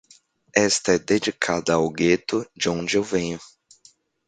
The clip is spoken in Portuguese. Esta é dedicada ao gueto de onde eu venho.